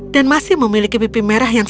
dan masih memiliki pipi merah yang